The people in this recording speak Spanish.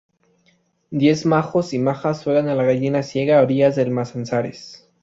Diez majos y majas juegan a la gallina ciega a orillas del Manzanares.